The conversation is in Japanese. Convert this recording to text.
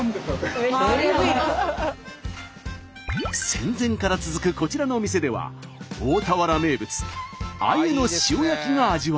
戦前から続くこちらのお店では大田原名物あゆの塩焼きが味わえます。